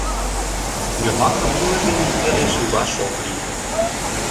Йомакым илыш дене иквереш лугаш ок лий.